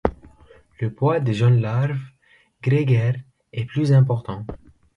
Le poids des jeunes larves grégaires est plus important.